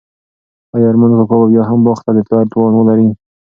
آیا ارمان کاکا به بیا هم باغ ته د تلو توان ولري؟